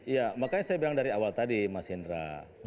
iya makanya saya bilang dari awal tadi mas hendra